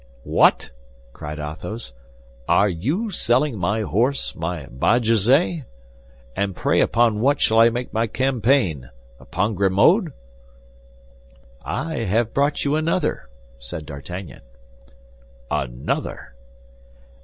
"What," cried Athos, "are you selling my horse—my Bajazet? And pray upon what shall I make my campaign; upon Grimaud?" "I have brought you another," said D'Artagnan. "Another?"